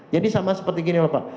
jadi sama seperti gini pak